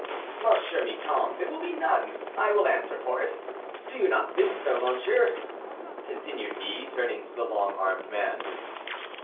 "M. Miton, there will be none, I answer for it. Do you not think so, monsieur?" continued he, turning to the long armed man.